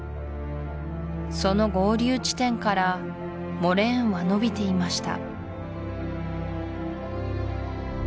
その合流地点からモレーンは延びていました